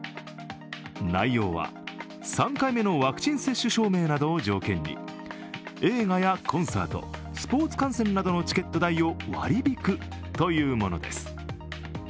内容は３回目のワクチン接種証明などを条件に、映画やコンサート、スポーツ観戦などのチケット代を割り引くというものです。